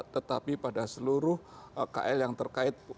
tetapi pada seluruh kl yang terkait